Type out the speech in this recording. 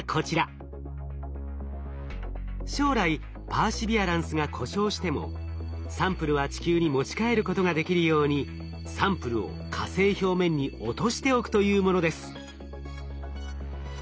将来パーシビアランスが故障してもサンプルは地球に持ち帰ることができるようにサンプルを火星表面に落としておくというものです。